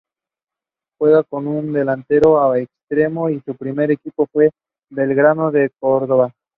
Juega como delantero o extremo y su primer equipo fue Belgrano de Córdoba.